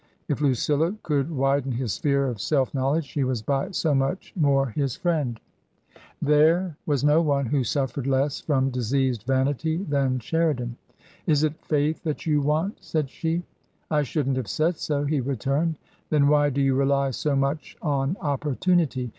If Lucilla could widen his sphere of self knowledge, she was by so much more his friend. There 15© TRANSITION. was no one who suffered less from diseased vanity than Sheridan. " Is it faith that you want ?" said she. " I shouldn't have said so," he returned. "Then why do you rely so much on opportunity?